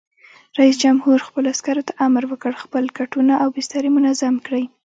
رئیس جمهور خپلو عسکرو ته امر وکړ؛ خپل کټونه او بسترې منظم کړئ!